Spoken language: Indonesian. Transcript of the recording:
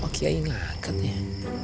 pokoknya ingat kan ya